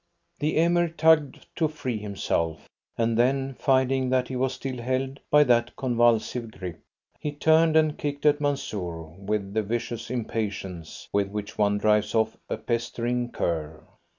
The Emir tugged to free himself, and then, finding that he was still held by that convulsive grip, he turned and kicked at Mansoor with the vicious impatience with which one drives off a pestering cur.